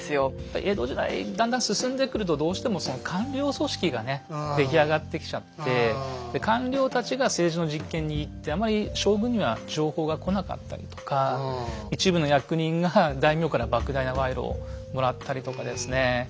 江戸時代だんだん進んでくるとどうしてもその官僚組織がね出来上がってきちゃって官僚たちが政治の実権握ってあまり将軍には情報が来なかったりとか一部の役人が大名から莫大なワイロをもらったりとかですね